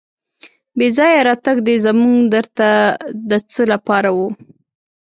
بې ځایه راتګ دې زموږ در ته د څه لپاره و.